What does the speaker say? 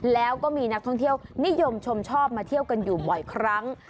แล้วก็มีนักท่องเที่ยวนิยมชมชอบมาเที่ยวกันอยู่บ่อยครั้ง